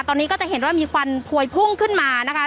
ตอนนี้ก็จะเห็นว่ามีควันพวยพุ่งขึ้นมานะคะ